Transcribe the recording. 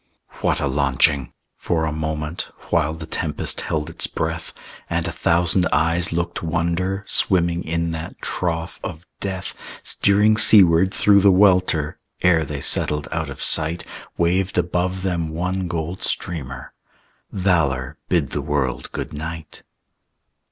What a launching! For a moment, While the tempest held its breath And a thousand eyes looked wonder, Swimming in that trough of death, Steering seaward through the welter, Ere they settled out of sight, Waved above them one gold streamer. Valor, bid the world good night!...